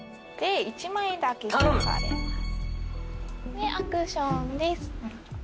でアクションです。